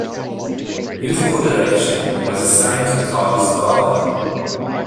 Musical Direction was assigned to Carl Stalling.